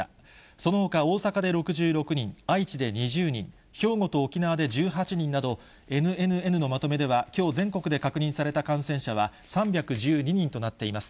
そのほか、大阪で６６人、愛知で２０人、兵庫と沖縄で１８人など、ＮＮＮのまとめでは、きょう全国で確認された感染者は、３１２人となっています。